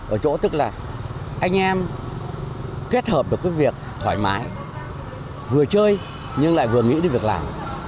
ở chỗ tức là anh em kết hợp được cái việc thoải mái vừa chơi nhưng lại vừa nghĩ đi việc làm